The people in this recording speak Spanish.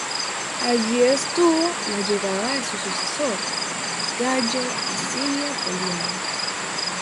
Allí estuvo hasta la llegada de su sucesor, Gayo Asinio Polión.